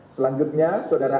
selanjutnya saudara pak